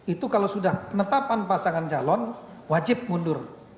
itu kalau sudah penetapan pasangan calon wajib mundur